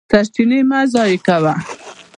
سرچینې مه ضایع کوه.